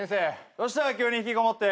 どうした急に引きこもって。